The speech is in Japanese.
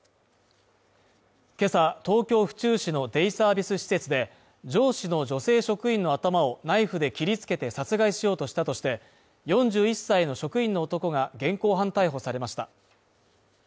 今朝、東京府中市のデイサービス施設で、上司の女性職員の頭をナイフで切り付けて殺害しようとしたとして、４１歳の職員の男が現行犯逮捕されました。